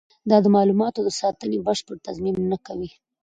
دا د معلوماتو د ساتنې بشپړ تضمین نه کوي.